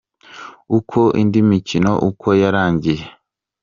Uko indi mikino uko yarangiye :.